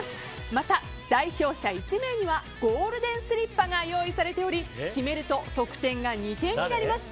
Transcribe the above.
また代表者１名にはゴールデンスリッパが用意されており決めると得点が２点になります。